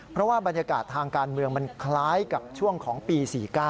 เพราะว่าบรรยากาศทางการเมืองมันคล้ายกับช่วงของปี๔๙